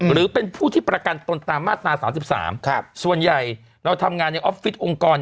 หรือเป็นผู้ที่ประกันตนตามมาตรา๓๓ส่วนใหญ่เราทำงานในออฟฟิศองค์กร